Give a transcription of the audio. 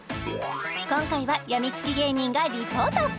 今回はやみつき芸人がリポート！